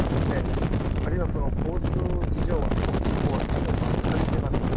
あるいは交通事情が地方はずいぶん悪化しています。